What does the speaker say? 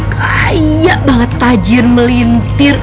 kaya banget tajir melintir